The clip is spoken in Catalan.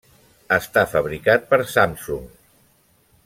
Està fabricat per Samsung.